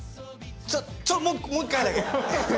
ちょっともう一回だけ！